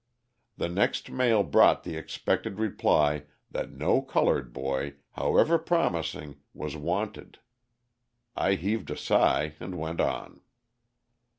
The next mail brought the expected reply that no coloured boy, however promising, was wanted. I heaved a sigh and went on.